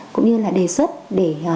cũng như là đề xuất để